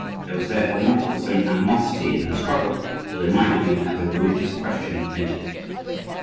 There was therefore not the same animosity in their struggle as there might have been had the religious question entered it.